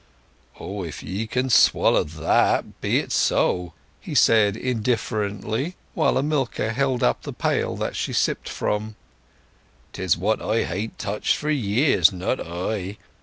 "Oh, if ye can swaller that, be it so," he said indifferently, while holding up the pail that she sipped from. "'Tis what I hain't touched for years—not I.